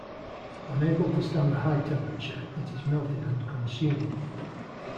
Unable to stand the high temperature it is melted and consumed.